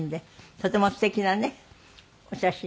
とても素敵なねお写真です。